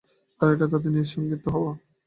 কারণ এটাই তার ন্যায়সঙ্গত হওয়া।